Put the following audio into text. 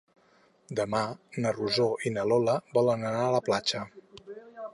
Demà na Rosó i na Lola volen anar a la platja.